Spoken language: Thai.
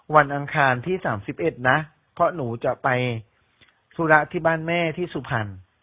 อังคารที่๓๑นะเพราะหนูจะไปธุระที่บ้านแม่ที่สุพรรณ